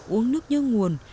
uống nước như nguồn